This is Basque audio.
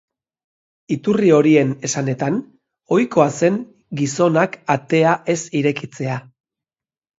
Iturri horien esanetan, ohikoa zen gizonak atea ez irekitzea.